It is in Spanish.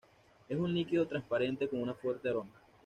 Es un líquido transparente con un fuerte aroma.